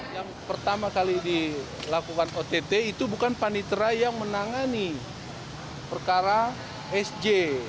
yang pertama kali dilakukan ott itu bukan panitera yang menangani perkara sj